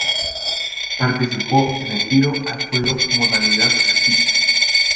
Participó en el tiro al vuelo modalidad skeet.